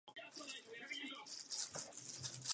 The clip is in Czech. Krmí oba rodiče.